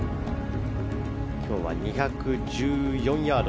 今日は２１４ヤード。